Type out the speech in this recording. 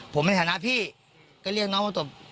ผมในฐานะพี่ก็เรียกน้องมาตบ